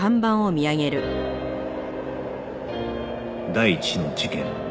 第１の事件